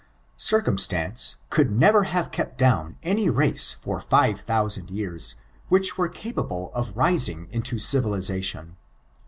Ciroumatance, could never have kept down any race for fire thooaand years, which were capable of rising into civilisation.